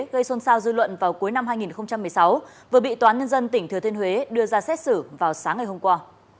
gây xôn xao dư luận vào cuối năm hai nghìn một mươi sáu vừa bị toán nhân dân tỉnh thừa thiên huế đưa ra xét xử vào sáng ngày hôm qua